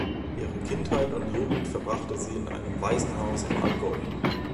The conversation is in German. Ihre Kindheit und Jugend verbrachte sie in einem Waisenhaus im Allgäu.